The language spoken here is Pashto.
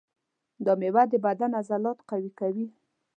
دا مېوه د بدن عضلات قوي کوي.